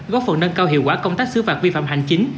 góp phần nâng cao hiệu quả công tác xứ phạt vi phạm hành chính